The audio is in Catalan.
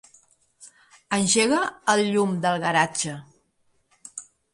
Engega el llum del garatge.